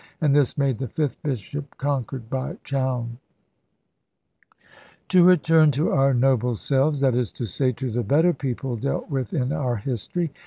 And this made the fifth bishop conquered by Chowne. To return to our noble selves that is to say, to the better people dealt with in our history.